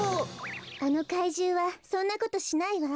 あのかいじゅうはそんなことしないわ。